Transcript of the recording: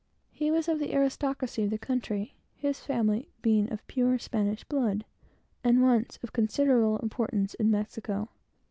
He was of the aristocracy of the country, his family being of pure Spanish blood, and once of great importance in Mexico.